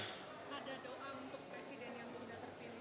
ada doa untuk presiden yang sudah terpilih